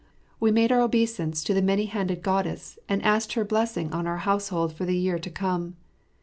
We made our obeisance to the Many handed Goddess and asked her blessing on our household for the year to come.